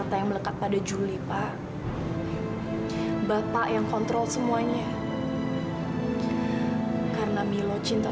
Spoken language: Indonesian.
sampai jumpa di video selanjutnya